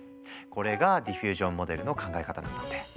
これがディフュージョンモデルの考え方なんだって。